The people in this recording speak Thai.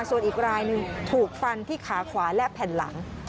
ส่วนอีกรายหนึ่งถูกฟันที่ขาขวาและแผ่นหลัง